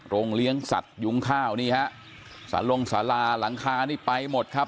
เลี้ยงสัตว์ยุ้งข้าวนี่ฮะสารลงสาราหลังคานี่ไปหมดครับ